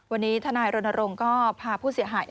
วันนี้ทนายรณรงค์ก็พาผู้เสียหาย